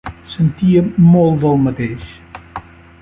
Sentia molt del mateix.